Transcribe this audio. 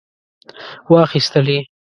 واخیستلې.